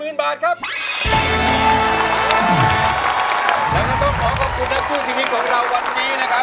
แล้วก็ต้องขอขอบคุณนักสู้ชีวิตของเราวันนี้นะครับ